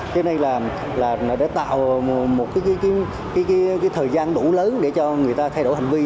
thế này là để tạo một thời gian đủ lớn để cho người ta thay đổi hành vi